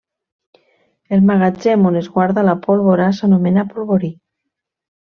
El magatzem on es guarda la pólvora s'anomena polvorí.